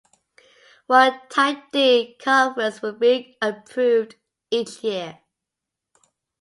One Type D conference will be approved each year.